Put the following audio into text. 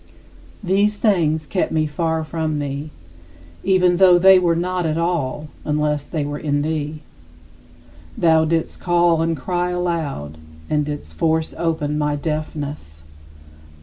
These things kept me far from thee; even though they were not at all unless they were in thee. Thou didst call and cry aloud, and didst force open my deafness.